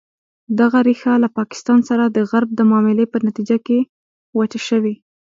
دغه ریښه له پاکستان سره د غرب د معاملې په نتیجه کې وچه شوې.